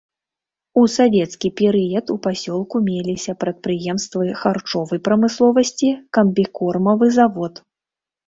У савецкі перыяд у пасёлку меліся прадпрыемствы харчовай прамысловасці, камбікормавы завод.